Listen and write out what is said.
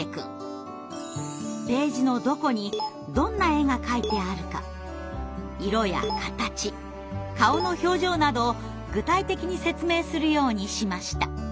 ページのどこにどんな絵が描いてあるか色や形顔の表情などを具体的に説明するようにしました。